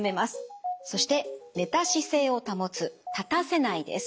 そして寝た姿勢を保つ・立たせないです。